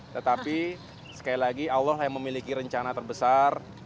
tetapi sekali lagi allah yang memiliki rencana terbesar